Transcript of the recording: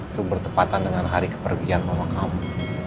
itu bertepatan dengan hari kepergian mama kamu